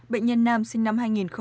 bệnh nhân nam sinh năm hai nghìn chín